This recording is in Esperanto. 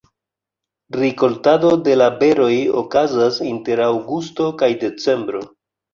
Rikoltado de la beroj okazas inter aŭgusto kaj decembro.